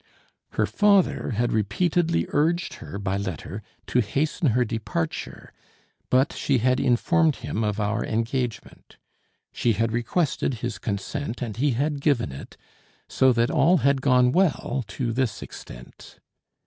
Her father had repeatedly urged her by letter to hasten her departure, but she had informed him of our engagement. She had requested his consent, and he had given it, so that all had gone well to this extent.